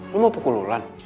lo mau pukul lu lan